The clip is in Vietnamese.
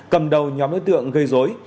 cầm đầu nhóm đối tượng gây dối